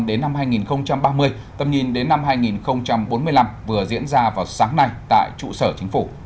đến năm hai nghìn ba mươi tầm nhìn đến năm hai nghìn bốn mươi năm vừa diễn ra vào sáng nay tại trụ sở chính phủ